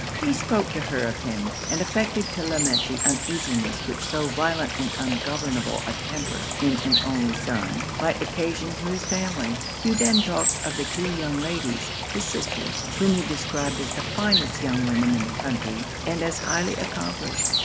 He spoke to her of him, and affected to lament the uneasiness which so violent and ungovernable a temper in an only son, might occasion to his family. He then talked of the two young ladies, his sisters, whom he described as the finest young women in the country, and as highly accomplished.